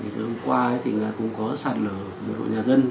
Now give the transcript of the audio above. cho người dân hôm qua cũng có sạt lở của đội nhà dân